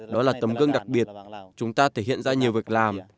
đó là tấm gương đặc biệt chúng ta thể hiện ra nhiều việc làm